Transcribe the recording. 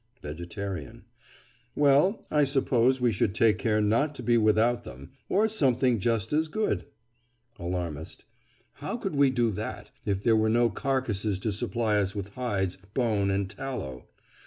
VEGETARIAN: Well, I suppose we should take care not to be without them, or something just as good. ALARMIST: How could we do that, if there were no carcases to supply us with hides, bone, and tallow?